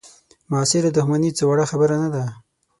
معاصره دوښمني څه وړه خبره نه ده.